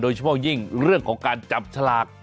โดยเฉพาะยิ่งเรื่องของการจับสลาก